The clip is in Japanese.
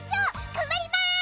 頑張ります。